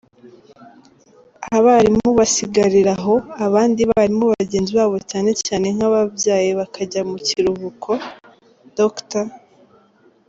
Abarimu basigariraho abandi barimu bagenzi babo cyane cyane nk’ababyaye bakajya mu kiruhuko, Dr.